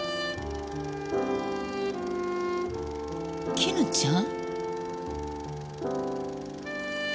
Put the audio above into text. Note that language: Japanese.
絹ちゃん？